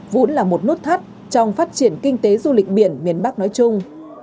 vũn là một nốt thắt trong phát triển kinh tế du lịch biển miền bắc nói chung